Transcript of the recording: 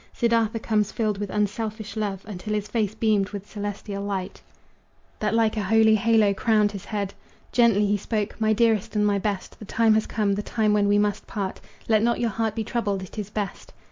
Siddartha comes, filled with unselfish love Until his face beamed with celestial light That like a holy halo crowned his head. Gently he spoke: "My dearest and my best, The time has come the time when we must part. Let not your heart be troubled it is best."